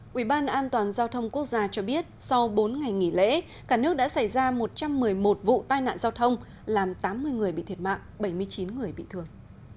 quỹ ban an toàn giao thông quốc gia cho biết sau bốn ngày nghỉ lễ cả nước đã xảy ra một trăm một mươi một vụ tai nạn giao thông làm tám mươi người bị thiệt mạng bảy mươi chín người bị thương